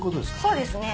そうですね。